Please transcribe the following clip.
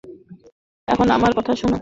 এখন আমার কথা শুনো।